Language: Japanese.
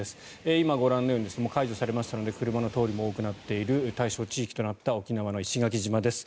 今ご覧のようにもう解除されましたので車の通りも多くなっている対象地域となった沖縄の石垣島です。